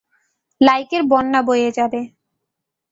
লাইকের বন্যা বয়ে যাবে।